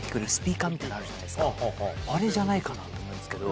あれじゃないかなと思うんですけど。